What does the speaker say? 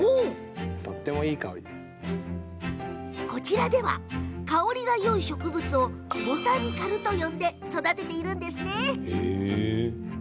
こちらでは香りがよい植物をボタニカルと呼んで育てているんですね。